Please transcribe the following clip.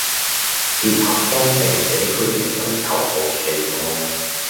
切合當地社區的需求和期望